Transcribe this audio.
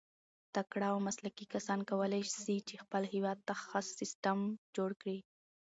تکړه او مسلکي کسان کولای سي، چي خپل هېواد ته ښه سیسټم جوړ کي.